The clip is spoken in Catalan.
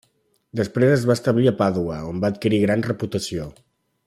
Després es va establir a Pàdua, on va adquirir gran reputació.